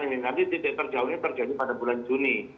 jadi nanti titik terjauhnya terjadi pada bulan juni